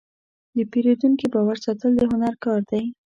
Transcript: د پیرودونکي باور ساتل د هنر کار دی.